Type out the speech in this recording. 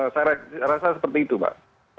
saya rasa seperti itu mbak